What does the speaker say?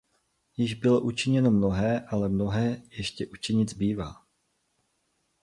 Již bylo učiněno mnohé, ale mnohé ještě učinit zbývá.